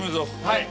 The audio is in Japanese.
はい。